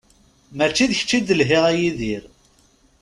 Mačči d kečč i d-lhiɣ a Yidir.